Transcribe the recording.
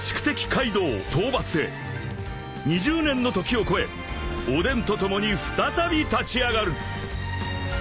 カイドウ討伐へ２０年の時を超えおでんと共に再び立ち上がる］